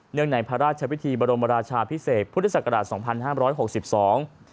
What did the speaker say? ในพระราชพิธีบรมราชาพิเศษพุทธศักราชสองพันห้ามร้อยหกสิบสอง